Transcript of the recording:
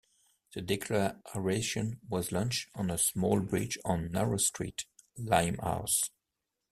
The declaration was launched on a small bridge on Narrow Street, Limehouse.